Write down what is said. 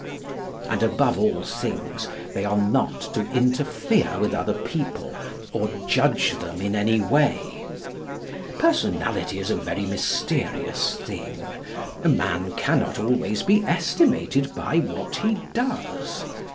And, above all things, they are not to interfere with other people or judge them in any way. Personality is a very mysterious thing. A man cannot always be estimated by what he does.